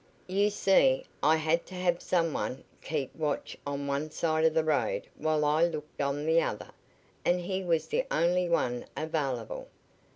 You see, I had to have some one keep watch on one side of the road while I looked on the other, and he was the only one available."